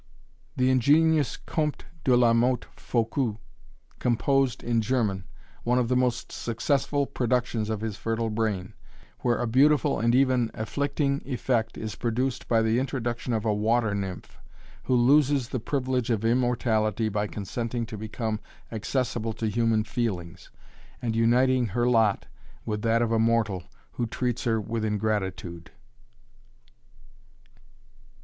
The ingenious Compte de la Motte Fouqu? composed, in German, one of the most successful productions of his fertile brain, where a beautiful and even afflicting effect is produced by the introduction of a water nymph, who loses the privilege of immortality by consenting to become accessible to human feelings, and uniting her lot with that of a mortal, who treats her with ingratitude.